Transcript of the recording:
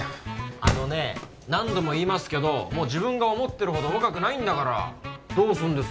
あのね何度も言いますけどもう自分が思ってるほど若くないんだからどうすんです